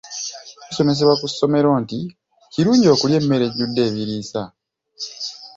Tusomesebwa ku ssomero nti kirungi okulya emmere ejjudde ebiriisa.